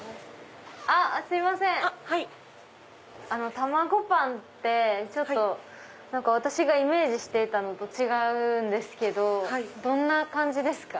たまごパンって私がイメージしていたのと違うんですけどどんな感じですか？